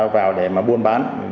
vào để mà buôn bán